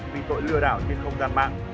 vì tội lừa đảo trên không gian mạng